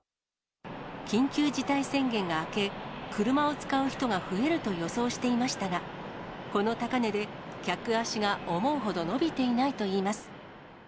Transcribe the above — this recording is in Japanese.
緊急事態宣言が明け、車を使う人が増えると予想していましたが、この高値で客足が思うほど伸びていないといいます。